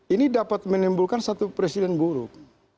ini dapat menimbulkan satu presiden buruk